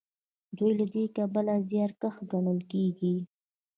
دوی له دې کبله زیارکښ ګڼل کیږي.